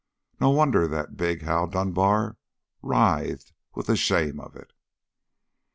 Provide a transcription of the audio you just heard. No wonder that big Hal Dunbar writhed with the shame of it.